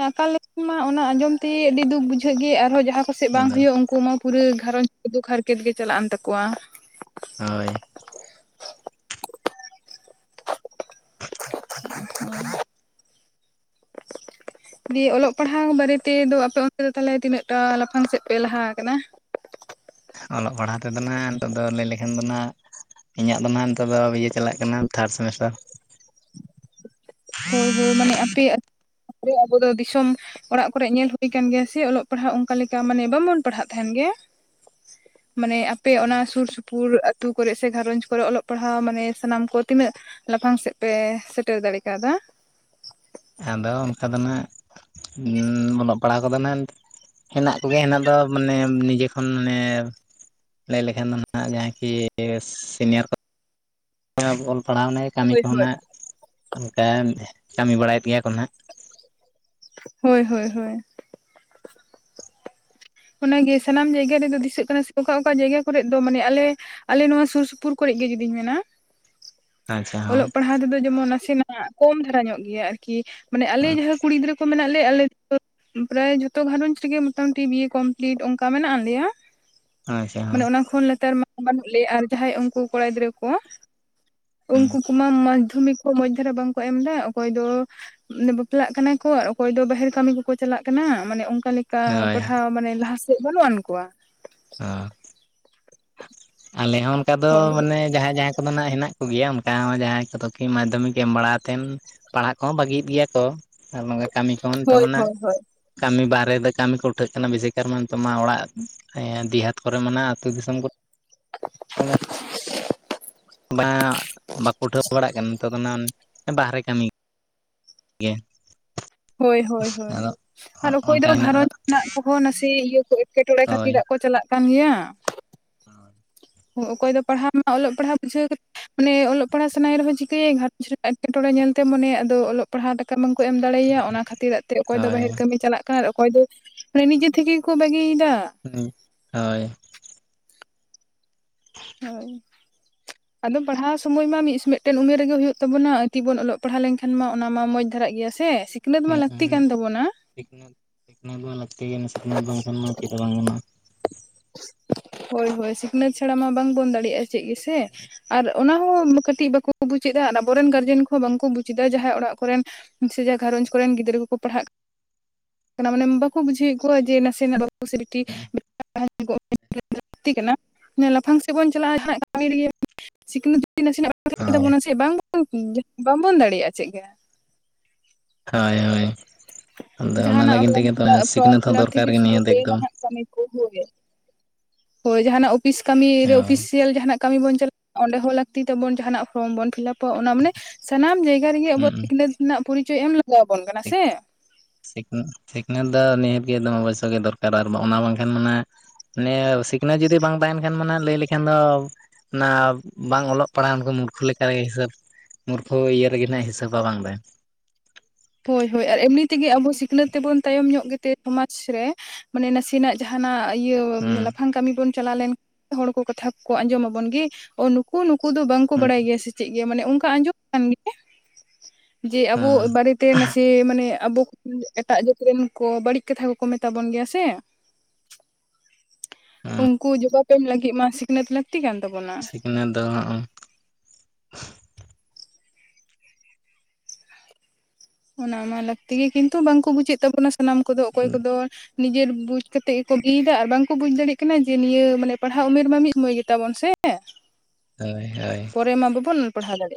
Speaker 1: ᱟᱠᱟᱞ ᱞᱮᱠᱷᱟᱱ ᱢᱟ ᱚᱱᱟ ᱟᱸᱡᱚᱢ ᱛᱮ ᱟᱹᱰᱤ ᱫᱩᱠ ᱵᱩᱡᱷᱟᱹᱜ ᱜᱮᱻ ᱟᱨᱦᱚᱸ ᱡᱟᱦᱟᱸ ᱠᱚᱥᱮᱫ ᱵᱟᱝ
Speaker 2: ᱟᱫᱚ
Speaker 1: ᱦᱩᱭᱩᱜ-ᱟ ᱩᱱ ᱠᱳ ᱢᱟ ᱯᱩᱨᱟᱹ ᱜᱷᱟᱨᱚᱸᱧᱡᱽ ᱫᱩᱠ ᱦᱟᱨᱠᱮᱛ ᱜᱮ ᱪᱟᱞᱟᱜ ᱠᱟᱱ ᱛᱟᱠᱚᱣᱟ᱾
Speaker 2: ᱦᱳᱭ
Speaker 1: [inaudible] ᱫᱤᱭᱮ ᱚᱞᱚᱜ ᱯᱟᱲᱦᱟᱣ ᱵᱟᱨᱮ ᱛᱮᱫᱚ ᱟᱯᱮ ᱚᱱᱛᱮ ᱫᱚ ᱛᱟᱦᱚᱞᱮ ᱛᱤᱱᱟᱹᱜ ᱴᱟᱻ ᱞᱟᱯᱷᱟᱝ ᱥᱮᱫ ᱯᱮ ᱞᱟᱦᱟ ᱠᱟᱱᱟ?
Speaker 2: ᱚᱞᱚᱜ ᱯᱟᱲᱦᱟᱣ ᱛᱮᱫᱚ ᱱᱟᱜ ᱱᱤᱛᱚᱜ ᱫᱚ ᱞᱟᱹᱭ ᱞᱮᱠᱷᱟᱱ ᱫᱚ ᱱᱟᱜ ᱤᱧᱟᱜ ᱫᱚ ᱱᱟᱦᱟᱜ ᱱᱤᱛᱚᱜ ᱫᱚ ᱵᱤᱭᱮ ᱪᱟᱞᱟᱜ ᱠᱟᱱᱟ, ᱛᱷᱟᱨᱰ ᱥᱮᱢᱤᱥᱴᱟᱨ᱾
Speaker 1: ᱦᱳᱭ ᱦᱳᱭ ᱢᱟᱱᱮ ᱟᱯᱮ [unintelligible] ᱟᱵᱚ ᱫᱚ ᱫᱤᱥᱚᱢ ᱚᱲᱟᱜ ᱠᱚᱨᱮ ᱧᱮᱞ ᱦᱩᱭ ᱠᱟᱱ ᱜᱮᱭᱟ ᱥᱮ ᱚᱞᱚᱜ ᱯᱟᱲᱦᱟᱜ ᱚᱱᱠᱟ ᱞᱮᱠᱟ ᱢᱟᱱᱮ ᱵᱟᱝ ᱵᱚᱱ ᱯᱟᱲᱦᱟᱜ ᱛᱟᱦᱮᱱ ᱜᱮ
Speaker 2: [inaudible]
Speaker 1: ᱢᱟᱱᱮ ᱟᱯᱮ ᱚᱱᱟ ᱥᱩᱨ ᱥᱩᱯᱩᱨ ᱟᱹᱛᱩ ᱠᱚᱨᱮ ᱥᱮ ᱜᱷᱟᱨᱚᱧᱡᱽ ᱠᱚᱨᱮ ᱚᱞᱚᱜ ᱯᱟᱲᱦᱟᱣ ᱢᱟᱱᱮ ᱥᱟᱱᱟᱢ ᱠᱚ ᱛᱤᱱᱟᱹᱜ ᱞᱟᱯᱷᱟᱝ ᱥᱮᱫ ᱯᱮ ᱥᱮᱴᱮᱨ ᱫᱟᱲᱮ ᱠᱟᱣᱫᱟ?
Speaker 2: ᱟᱫᱚ ᱚᱱᱠᱟ ᱫᱚ ᱱᱟᱜ ᱩᱸᱻ ᱚᱞᱚᱜ ᱯᱟᱲᱦᱟᱣ ᱠᱚᱫᱚ ᱱᱟᱜ ᱱᱤᱛ ᱦᱮᱱᱟᱜ ᱠᱚ ᱜᱮᱭᱟ ᱦᱮᱱᱟᱜ ᱫᱚ ᱢᱟᱱᱮ ᱱᱤᱡᱮ ᱠᱷᱚᱱ ᱢᱟᱱᱮ ᱞᱟᱹᱭ ᱞᱮᱠᱷᱟᱱ ᱫᱚ ᱱᱟᱦᱟᱜ ᱡᱟᱦᱟᱸ ᱠᱤ ᱥᱤᱱᱤᱭᱟᱨ ᱠᱚ ᱚᱞ ᱯᱟᱲᱦᱟᱣ [unintelligible] ᱠᱟᱹᱢᱤ
Speaker 1: ᱦᱳᱭ
Speaker 2: ᱠᱚᱦᱚᱸ
Speaker 1: ᱦᱳᱭ
Speaker 2: ᱱᱟᱜ ᱚᱱᱠᱟ ᱠᱟᱹᱢᱤ ᱵᱟᱲᱟᱭᱮᱫ ᱜᱮᱭᱟ ᱠᱚ ᱱᱟᱜ᱾
Speaker 1: ᱦᱳᱭ ᱦᱳᱭ ᱦᱳᱭ᱾ ᱚᱱᱟ ᱜᱮ ᱥᱟᱱᱟᱢ ᱡᱟᱭᱜᱟ ᱨᱮᱫᱚ ᱫᱤᱥᱟᱹᱜ ᱠᱟᱱᱟ ᱥᱮ ᱚᱠᱟ ᱚᱠᱟ ᱡᱟᱭᱜᱟ ᱠᱚᱨᱮᱫ ᱫᱚ ᱢᱟᱱᱮ ᱟᱞᱮ ᱟᱞᱮ ᱱᱚᱣᱟ ᱥᱩᱨ ᱥᱩᱯᱩᱨ ᱠᱚᱨᱮᱫ ᱜᱮ ᱡᱩᱫᱤᱧ ᱢᱮᱱᱟ
Speaker 2: [inaudible] ᱦᱚᱸ
Speaker 1: ᱚᱞᱚᱜ ᱯᱟᱲᱦᱟᱣ ᱛᱮᱫᱚ ᱡᱮᱢᱚᱱ ᱱᱟᱥᱮ ᱱᱟᱜ ᱠᱚᱢ ᱫᱷᱟᱨᱟ ᱧᱚᱜ ᱜᱮᱭᱟ ᱟᱨᱠᱤ ᱢᱟᱱᱮ ᱟᱞᱮ ᱡᱟᱦᱟᱸ ᱠᱩᱲᱤ ᱜᱤᱫᱽᱨᱟᱹ ᱠᱚ ᱢᱮᱱᱟᱜ ᱞᱮᱭᱟ ᱟᱞᱮ ᱫᱚ ᱯᱨᱟᱭ ᱡᱚᱛᱚ ᱜᱷᱟᱨᱚᱸᱡᱽ ᱨᱮᱜᱮ ᱢᱚᱴᱟᱢᱩᱴᱤ ᱵᱤᱭᱮ ᱠᱚᱢᱯᱞᱤᱴ ᱚᱱᱠᱟ ᱢᱮᱱᱟᱜ ᱞᱮᱭᱟ,
Speaker 2: ᱟᱪᱪᱷᱟ
Speaker 1: ᱢᱟᱱᱮ
Speaker 2: ᱦᱚᱸ
Speaker 1: ᱚᱱᱟ ᱠᱷᱚᱱ ᱞᱟᱛᱟᱨ ᱢᱟ ᱵᱟᱹᱱᱩᱜ ᱞᱮᱭᱟ ᱟᱨ ᱡᱟᱦᱟᱸᱭ ᱩᱱᱠᱩ ᱠᱚᱲᱟ ᱜᱤᱫᱽᱨᱟᱹ, ᱠᱚ ᱩᱱᱠᱩ ᱠᱚᱢᱟ ᱢᱟᱫᱽᱫᱷᱚᱢᱤᱠ ᱢᱚᱸᱡᱽ ᱫᱷᱟᱨᱟ ᱵᱟᱝ ᱠᱚ ᱮᱢ ᱮᱫᱟ ᱚᱠᱚᱭ ᱫᱚ ᱢᱟᱱᱮ ᱵᱟᱯᱞᱟᱜ ᱠᱟᱱᱟ ᱠᱚ ᱟᱨ ᱚᱠᱚᱭ ᱫᱚ ᱵᱟᱦᱮᱨ ᱠᱟᱹᱢᱤ ᱠᱚ ᱠᱚ ᱪᱟᱞᱟᱜ ᱠᱟᱱᱟ ᱢᱟᱱᱮ ᱚᱱ ᱚᱱᱠᱟ ᱞᱮᱠᱟ
Speaker 2: ᱦᱳᱭ
Speaker 1: ᱯᱟᱲᱦᱟᱣ ᱢᱟᱱᱮ ᱞᱟᱦᱟ ᱥᱮᱫ ᱵᱟᱹᱱᱩᱜ ᱟᱱ ᱠᱚᱣᱟ,
Speaker 2: [inaudible] ᱟᱞᱮ ᱦᱚᱸ ᱚᱱᱠᱟ ᱫᱚ
Speaker 1: ᱦᱳᱭ
Speaker 2: ᱢᱟᱱᱮ ᱡᱟᱦᱟᱸᱭ ᱡᱟᱦᱟᱸ ᱠᱚᱫᱚ ᱱᱟᱜ ᱦᱮᱱᱟᱜ ᱠᱚᱜᱮᱭᱟ ᱚᱱᱠᱟ ᱡᱟᱦᱟᱸᱭ ᱠᱚ ᱫᱚ ᱠᱤ ᱢᱟᱫᱽᱫᱷᱚᱢᱤᱠ ᱮᱢ ᱵᱟᱲᱟᱛᱮᱱ, ᱯᱟᱲᱦᱟᱜ ᱠᱚᱦᱚᱸ ᱵᱟᱹᱜᱤᱭᱮᱫ ᱜᱮᱭᱟ ᱠᱚ ᱟᱨ ᱵᱟᱝ ᱠᱟᱹᱢᱤ ᱠᱚᱦᱚᱸ
Speaker 1: ᱦᱳᱭ
Speaker 2: ᱛᱚᱢᱱᱟ
Speaker 1: ᱦᱳᱭ ᱦᱳᱭ
Speaker 2: ᱾ ᱠᱟᱹᱢᱤ ᱵᱟᱦᱮᱨᱮ ᱨᱮ ᱠᱟᱹᱢᱤ ᱠᱚ ᱩᱴᱷᱟᱹᱜ ᱠᱟᱱᱟ ᱵᱮᱥᱤ ᱠᱟᱨ ᱛᱚ ᱢᱟ [inaudible] ᱫᱤᱥᱚᱢ ᱠᱚᱨᱮ, [unintelligible] ᱵᱟᱸ ᱵᱟᱠᱚ ᱩᱴᱷᱟᱹᱣ ᱵᱟᱲᱟᱜ ᱠᱟᱱᱟ ᱱᱤᱛᱚᱜ ᱫᱚ ᱱᱟ ᱵᱟᱦᱮᱨᱮ ᱠᱟᱹᱢᱤ, ᱜᱮ,
Speaker 1: ᱦᱳᱭ ᱦᱳᱭ ᱦᱳᱭ,
Speaker 2: ᱟᱫᱚ
Speaker 1: ᱟᱨ ᱚᱠᱚᱭ ᱫᱚ
Speaker 2: ᱚᱱᱠᱟ ᱢᱮᱱᱟᱜ
Speaker 1: ᱜᱸᱚᱧᱡᱽ ᱨᱮᱱᱟᱜ ᱠᱚ ᱦᱚᱸ ᱱᱟᱥᱮ ᱤᱭᱟᱹ ᱠᱚ ᱮᱴᱠᱮᱴᱚᱬᱮ
Speaker 2: ᱦᱳᱭ
Speaker 1: ᱠᱷᱟᱹᱛᱤᱨᱟᱜ ᱠᱚ ᱪᱟᱞᱟᱜ ᱠᱟᱱ ᱜᱮᱭᱟ, ᱚᱠᱚᱭ ᱫᱚ ᱯᱟᱲᱦᱟᱜ ᱢᱟ ᱚᱞᱚᱜ ᱯᱟᱲᱦᱟᱣ ᱵᱩᱡᱷᱟᱹᱣ ᱢᱟᱱᱮ ᱚᱞᱚᱜ ᱯᱟᱲᱦᱟᱜ ᱥᱟᱱᱟᱭ ᱨᱮᱦᱚᱸ ᱪᱤᱠᱟᱹᱭᱟᱭ ᱜᱷᱟᱸᱨᱚᱡᱽ ᱨᱮ ᱮᱴᱠᱮᱴᱬᱮ ᱧᱮᱞᱛᱮ ᱢᱚᱱᱮ ᱟᱫᱚ ᱚᱞᱚᱜ, ᱯᱟᱲᱦᱟᱣ ᱴᱟᱠᱟ ᱵᱟᱝᱠᱚ ᱮᱢ ᱫᱟᱲᱮᱣᱟᱭᱟ ᱚᱱᱟ ᱠᱷᱟᱹᱛᱤᱨᱟᱜ ᱛᱮ ᱚᱠᱚᱭ ᱫᱚ
Speaker 2: ᱦᱳᱭ
Speaker 1: ᱵᱟᱦᱮᱨ ᱠᱟᱹᱢᱤ ᱪᱟᱞᱟᱜ ᱠᱟᱱᱟ, ᱚᱠᱚᱭ ᱫᱚ ᱱᱤᱡᱮ ᱛᱷᱮᱠᱮ ᱠᱚ ᱵᱟᱹᱜᱤᱭ ᱮᱫᱟ ᱾
Speaker 2: ᱦᱳᱭ,
Speaker 1: [inaudible] ᱟᱫᱚ ᱯᱟᱲᱦᱟᱣ ᱥᱚᱢᱚᱭ ᱢᱟ ᱢᱤᱫᱴᱮᱱ ᱩᱢᱮᱨ ᱨᱮᱜᱮ ᱦᱩᱭᱩᱜ ᱛᱟᱵᱚᱱᱟ ᱛᱤᱵᱚᱱ ᱚᱞᱚᱜ ᱯᱟᱲᱦᱟᱣ ᱞᱮᱱᱠᱷᱟᱱ, ᱠᱷᱟᱱ ᱢᱟ ᱚᱱᱟ ᱢᱟ ᱢᱚᱸᱡᱽ ᱫᱷᱟᱨᱟᱜ ᱜᱮᱭᱟ ᱥᱮ ᱥᱤᱠᱷᱱᱟᱹᱛ ᱢᱟ ᱞᱟᱹᱠᱛᱤ ᱠᱟᱱ ᱛᱟᱵᱚᱱᱟ᱾
Speaker 2: ᱥᱤᱠᱱᱟᱹᱛ ᱥᱤᱠᱱᱟᱹᱛ ᱢᱟ ᱞᱟᱹᱠᱛᱤ ᱜᱮ ᱥᱤᱠᱷᱱᱟᱹᱛ ᱵᱟᱝ ᱠᱷᱟᱱ ᱢᱟ ᱪᱮᱫ ᱦᱚᱸ ᱵᱟᱝ ᱜᱟᱱᱚᱜᱼᱟ,
Speaker 1: ᱦᱳᱭ ᱦᱳᱭ ᱥᱤᱠᱷᱱᱟᱹᱛ ᱪᱷᱟᱲᱟ ᱢᱟ ᱵᱟᱝ ᱵᱚᱱ ᱫᱟᱲᱮᱭᱟᱜᱼᱟ ᱪᱮᱫ ᱜᱮ ᱥᱮ, ᱟᱨ ᱚᱱᱟ ᱦᱚᱸ ᱠᱟᱹᱴᱤᱡ ᱵᱟᱠᱚ ᱵᱩᱡᱮᱫᱟ ᱟᱨ ᱟᱵᱚᱨᱮᱱ ᱜᱟᱨᱡᱮᱱ ᱠᱚᱦᱚᱸ ᱵᱟᱝᱠᱚ ᱵᱩᱡᱽᱫᱟ ᱡᱟᱦᱟᱸᱭ ᱚᱲᱟᱜ ᱠᱚᱨᱮᱱ, ᱥᱮ ᱡᱟ ᱜᱷᱟᱸᱨᱚᱧᱡᱽ ᱠᱚᱨᱮᱱ ᱜᱤᱫᱽᱨᱟᱹ ᱠᱚ ᱠᱚ ᱯᱟᱲᱦᱟᱜ ᱠᱟᱱᱟ ᱢᱟᱱᱮ ᱵᱟᱠᱚ ᱵᱩᱡᱷᱟᱹᱣ, ᱠᱚᱣᱟᱜ ᱡᱮ ᱱᱟᱥᱮᱱᱟᱜ [inaudible] ᱞᱟᱹᱠᱛᱤ ᱠᱟᱱᱟ ᱞᱟᱯᱷᱟᱝ ᱥᱮᱫ ᱵᱚᱱ [inaudible] ᱱᱟᱥᱮᱱᱟᱜ,
Speaker 2: ᱦᱳᱭ
Speaker 1: [inaudible] ᱵᱟᱝ ᱵᱟᱵᱚᱱ ᱫᱟᱲᱮᱭᱟᱜᱼᱟ ᱪᱮᱫ ᱜᱮ,
Speaker 2: ᱦᱳᱭ ᱦᱳᱭ ᱟᱫᱚ ᱚᱱᱟ
Speaker 1: ᱡᱟᱦᱟᱱᱟᱜ
Speaker 2: ᱞᱟᱹᱜᱤᱫ ᱛᱮ
Speaker 1: ᱯᱷᱨᱚᱢ
Speaker 2: ᱜᱮ ᱛᱚ
Speaker 1: ᱯᱷᱤᱞᱟᱯ ᱯᱷᱨᱚᱢ
Speaker 2: ᱥᱤᱠᱷᱱᱟᱹᱛ ᱦᱚᱸ
Speaker 1: ᱯᱷᱤᱞᱟᱯ
Speaker 2: ᱫᱚᱨᱠᱟᱨ
Speaker 1: ᱛᱷᱮᱠᱮ
Speaker 2: ᱜᱮ ᱱᱤᱭᱟᱹ
Speaker 1: ᱥᱩᱨᱩ
Speaker 2: ᱫᱚ
Speaker 1: ᱠᱚᱨᱮ
Speaker 2: ᱮᱠᱫᱚᱢ,
Speaker 1: ᱱᱟᱦᱟᱜ ᱠᱟᱹᱢᱤ ᱠᱳ ᱦᱳᱭᱳᱜ ᱜᱮᱭᱟ, ᱦᱳᱭ ᱡᱟᱦᱟᱱᱟᱜ ᱚᱯᱷᱤᱥ ᱠᱟᱹᱢᱤ ᱨᱮ
Speaker 2: ᱦᱳᱭ
Speaker 1: ᱚᱯᱷᱤᱥᱤᱭᱟᱞ ᱡᱟᱦᱱᱟᱜ, ᱠᱟᱹᱢᱤ ᱵᱚᱱ ᱪᱟᱞᱟᱜᱼᱟ ᱚᱸᱰᱮ ᱦᱚᱸ ᱞᱟᱹᱠᱛᱤ ᱛᱟᱵᱚᱱ ᱡᱟᱦᱟᱱᱟᱜ ᱯᱷᱨᱚᱢ ᱵᱚᱱ ᱯᱷᱤᱞᱟᱯ, ᱛᱚ ᱚᱱᱟ ᱢᱟᱱᱮ ᱥᱟᱱᱟᱢ ᱡᱟᱭᱜᱟ ᱨᱮ ᱜᱮ ᱟᱵᱚ
Speaker 2: ᱦᱩᱸ
Speaker 1: ᱥᱤᱠᱷᱱᱟᱹᱛ ᱨᱮᱱᱟᱜ ᱯᱚᱨᱤᱪᱚᱭ ᱮᱢ ᱞᱟᱜᱟᱣ ᱟᱵᱚᱱ ᱠᱟᱱᱟ ᱥᱮ,
Speaker 2: ᱥᱤᱠᱷᱱᱟᱹᱛ ᱱᱤᱦᱟᱹᱛ ᱫᱚ ᱱᱤᱦᱟᱹᱛ ᱜᱮ ᱫᱚᱢᱮ ᱚᱵᱚᱥᱚ ᱜᱮ ᱫᱚᱨᱠᱟᱨ ᱟᱨ ᱚᱱᱟ ᱵᱟᱝᱠᱷᱟᱱ ᱢᱟᱱᱮ, ᱱᱮ ᱥᱤᱠᱷᱱᱟᱹᱛ ᱡᱩᱫᱤ ᱵᱟᱝ ᱛᱟᱦᱮᱱ ᱠᱷᱟᱱ ᱢᱟᱱᱮ ᱞᱟᱹᱭ ᱞᱮᱠᱷᱟᱱ ᱫᱚ, ᱚᱱᱟ ᱵᱟᱝ ᱚᱞᱚᱜ ᱯᱟᱲᱦᱟᱜ ᱩᱱᱠᱩ ᱢᱩᱨᱠᱷᱩ ᱞᱮᱠᱟ ᱜᱮ ᱦᱤᱥᱟᱹᱵ, ᱢᱩᱨᱠᱷᱩ ᱤᱭᱟᱹ ᱨᱮ ᱜᱮ ᱱᱟᱜ ᱦᱤᱥᱟᱹᱵᱟ ᱵᱟᱝ ᱫᱮ,
Speaker 1: ᱦᱳᱭ ᱦᱳᱭ ᱟᱨ ᱮᱢᱱᱤ ᱛᱮ ᱜᱮ ᱟᱵᱚ ᱥᱤᱠᱷᱱᱟᱹᱛ ᱛᱮᱵᱚᱱ ᱛᱟᱭᱚᱢ ᱧᱚᱜ ᱜᱮ ᱛᱮ ᱥᱚᱢᱟᱡᱽ ᱨᱮ ᱢᱟᱱᱮ ᱱᱟᱥᱮᱱᱟᱜ, ᱡᱟᱦᱟᱱᱟᱜ ᱤᱭᱟᱹ
Speaker 2: ᱦᱩᱸ
Speaker 1: ᱞᱟᱯᱷᱟᱝ ᱠᱟᱹᱢᱤ ᱵᱚᱱ, ᱪᱟᱞᱟᱣ ᱞᱮᱱᱠᱷᱟᱱ ᱦᱚᱲ ᱠᱚ ᱠᱟᱛᱷᱟ ᱠᱚ ᱠᱚ ᱟᱸᱡᱚᱢ ᱟᱵᱚᱱ ᱜᱮ ᱱᱩᱠᱩ ᱱᱩᱠᱩ ᱫᱚ ᱵᱟᱝ ᱠᱚ
Speaker 2: ᱦᱩᱸ
Speaker 1: ᱵᱟᱲᱟᱭ ᱜᱮᱭᱟ ᱥᱮ, ᱪᱮᱫ ᱜᱮ ᱢᱟᱱᱮ ᱚᱱᱠᱟ ᱟᱸᱡᱚᱢ ᱟᱠᱟᱱ ᱜᱮ, ᱡᱮ ᱟᱵᱚ
Speaker 2: ᱦᱩᱸ
Speaker 1: ᱵᱟᱨᱮ ᱛᱮ ᱱᱟᱥᱮ, ᱢᱟᱱᱮ ᱟᱵᱚ [inaudible] ᱮᱴᱟᱜ ᱡᱟᱹᱛ ᱨᱮᱱ ᱠᱚ ᱵᱟᱹᱲᱤᱡ ᱠᱟᱛᱷᱟ ᱠᱚ ᱠᱚ ᱢᱮᱛᱟ ᱵᱚᱱ ᱜᱮᱭᱟ ᱥᱮ?
Speaker 2: ᱦᱩᱸ
Speaker 1: ᱩᱱᱠᱩ ᱡᱚᱵᱟᱵᱽ ᱮᱢ ᱞᱟᱹᱜᱤᱫ ᱢᱟ ᱥᱤᱠᱷᱱᱟᱹᱛ ᱞᱟᱹᱠᱛᱤ ᱠᱟᱱ ᱛᱟᱵᱚᱱᱟ।
Speaker 2: ᱚᱱᱟ ᱫᱚ ᱦᱚᱜ-ᱚ,
Speaker 1: ᱚᱱᱟ ᱢᱟ ᱞᱟᱹᱠᱛᱤ ᱜᱮ ᱠᱤᱱᱛᱩ ᱵᱟᱝᱠᱚ ᱵᱩᱡᱮᱫ ᱛᱟᱵᱚᱱᱟ ᱥᱟᱱᱟᱢ ᱠᱚ ᱫᱚ ᱚᱠᱚᱭ ᱠᱚ ᱫᱚ ᱱᱤᱡᱮᱨ ᱵᱩᱡᱽ ᱠᱟᱛᱮ ᱜᱮᱠᱚ ᱞᱟᱹᱭᱮᱫᱟ, ᱟᱨ ᱵᱟᱝᱠᱚ ᱵᱩᱡᱽ ᱫᱟᱲᱮᱭᱟᱜ ᱠᱟᱱᱟ ᱡᱮ, ᱱᱤᱭᱟᱹ ᱢᱟᱱᱮ ᱯᱟᱲᱦᱟᱜ ᱩᱢᱮᱨ ᱢᱟ ᱢᱤᱫ ᱥᱚᱢᱚᱭ ᱜᱮ ᱛᱟᱵᱚᱱ ᱥᱮ?
Speaker 2: ᱦᱳᱭ ᱦᱳᱭ,
Speaker 1: ᱯᱚᱨᱮ ᱢᱟ ᱵᱟᱵᱚᱱ ᱯᱟᱲᱟᱣ ᱫᱟᱲᱮᱭᱟᱜᱼᱟ।